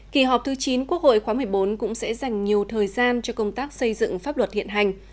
kỳ họp thứ chín quốc hội khóa một mươi bốn cũng sẽ dành nhiều thời gian cho công tác xây dựng pháp luật hiện hành